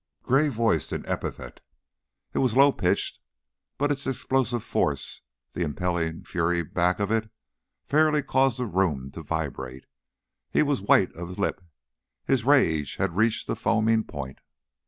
Gray voiced an epithet. It was low pitched, but its explosive force, the impelling fury back of it, fairly caused the room to vibrate. He was white of lip, his rage had reached the foaming point.